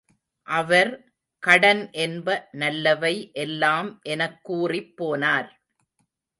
அவர், கடன் என்ப நல்லவை எல்லாம் எனக்கூறிப் போனார்.